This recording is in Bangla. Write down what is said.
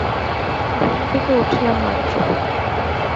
ঘুম থেকে উঠলাম মাত্র।